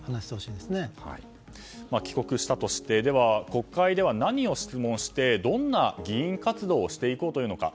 では、帰国したとして国会では何を質問してどんな議員活動をしていこうというのか。